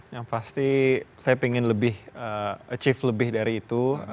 yang pasti saya ingin lebih achieve lebih dari itu